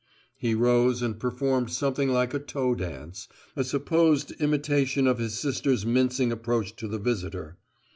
He rose, and performed something like a toe dance, a supposed imitation of his sister's mincing approach to the visitor.